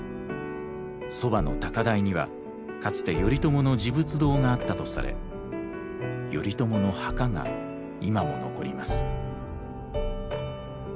そばの高台にはかつて頼朝の持仏堂があったとされ頼朝の墓が今も残ります。